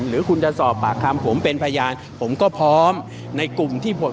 หรือคุณจะสอบปากคำผมเป็นพยานผมก็พร้อมในกลุ่มที่